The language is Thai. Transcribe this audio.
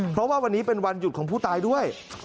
เพราะว่าวันนี้เป็นวันหยุดของผู้ตายด้วย